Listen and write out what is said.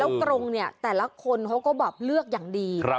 แล้วกรงเนี่ยแต่ละคนเขาก็แบบเลือกอย่างดี